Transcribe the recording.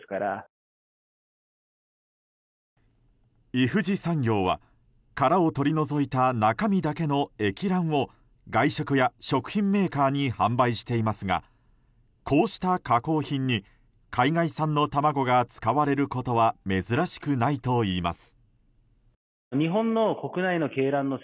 イフジ産業は、殻を取り除いた中身だけの液卵を外食や食品メーカーに販売していますがこうした加工品に海外産の卵が使われることは珍しくないといいます。